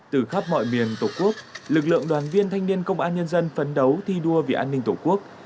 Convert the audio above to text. từ khắp mọi miền tổ quốc lực lượng đoàn viên thanh niên công an nhân dân phấn đấu thi đua vì an ninh tổ quốc